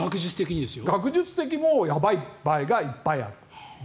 学術的にもやばい場合がいっぱいある。